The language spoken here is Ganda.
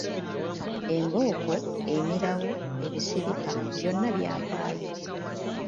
Embooko, emirawo, ebisiripa byonna byavaayo.